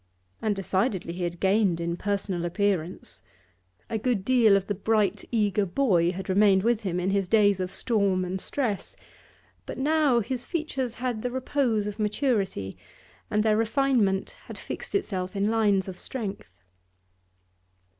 And decidedly he had gained in personal appearance; a good deal of the bright, eager boy had remained with him in his days of storm and stress, but now his features had the repose of maturity and their refinement had fixed itself in lines of strength.